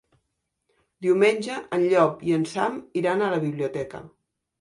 Diumenge en Llop i en Sam iran a la biblioteca.